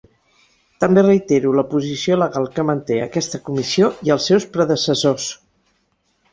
També reitero la posició legal que manté aquesta comissió i els seus predecessors.